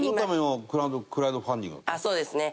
そうですね